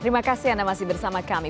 terima kasih anda masih bersama kami